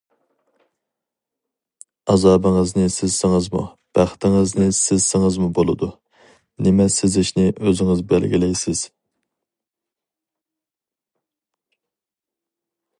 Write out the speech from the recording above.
ئازابىڭىزنى سىزسىڭىزمۇ، بەختىڭىزنى سىزسىڭىزمۇ بولىدۇ، نېمە سىزىشنى ئۆزىڭىز بەلگىلەيسىز.